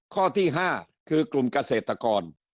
ข้อที่๕คือกลุ่มเกษตรกร